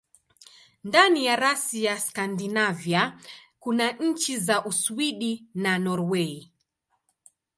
Ndani ya rasi ya Skandinavia kuna nchi za Uswidi na Norwei.